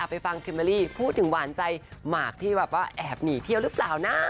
ไปฟังคิมเบอร์รี่พูดถึงหวานใจหมากที่แบบว่าแอบหนีเที่ยวหรือเปล่านะ